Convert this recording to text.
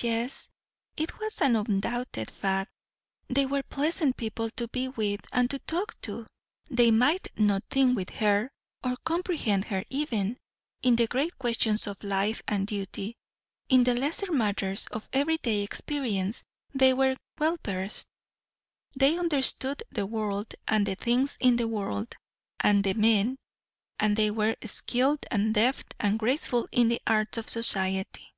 Yes, it was an undoubted fact; they were pleasant people to be with and to talk to. They might not think with her, or comprehend her even, in the great questions of life and duty; in the lesser matters of everyday experience they were well versed. They understood the world and the things in the world, and the men; and they were skilled and deft and graceful in the arts of society.